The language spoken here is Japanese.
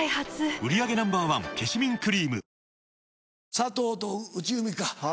佐藤と内海か。